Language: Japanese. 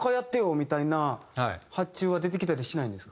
みたいな発注は出てきたりしないんですか？